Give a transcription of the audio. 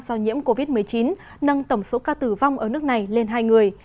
do nhiễm covid một mươi chín nâng tổng số ca tử vong ở nước này lên hai người